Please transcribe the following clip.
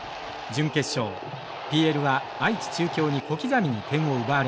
ＰＬは愛知中京に小刻みに点を奪われます。